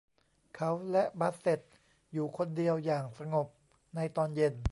เขาและบาสเซ็ทอยู่คนเดียวอย่างสงบในตอนเย็น